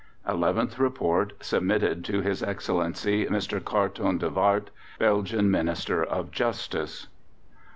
ELEVENTH REPORT SUBMITTED TO HIS EXCELLENCY, MR. CARTON DE WIART, Belgian Minister of Justice.